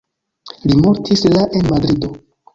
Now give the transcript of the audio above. Li mortis la en Madrido.